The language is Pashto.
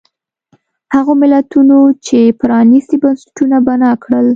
هغو ملتونو چې پرانیستي بنسټونه بنا کړل.